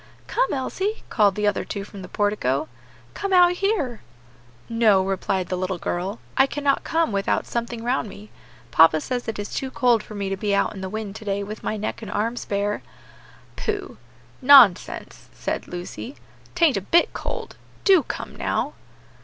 "Come, Elsie," called the other two from the portico, "come out here." "No," replied the little girl, "I cannot come without something round me. Papa says it is too cold for me to be out in the wind to day with my neck and arms bare." "Pooh! nonsense!" said Lucy, "'tain't a bit cold; do come now."